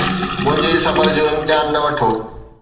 منهنجي صبر جو امتحان نه وٺو